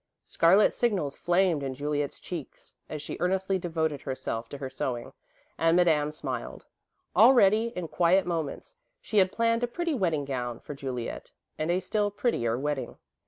Scarlet signals flamed in Juliet's cheeks as she earnestly devoted herself to her sewing, and Madame smiled. Already, in quiet moments, she had planned a pretty wedding gown for Juliet, and a still prettier wedding.